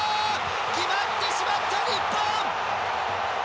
決まってしまった日本！